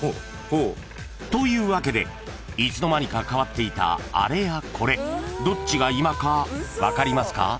［というわけでいつの間にか変わっていたあれやこれどっちが今か分かりますか？］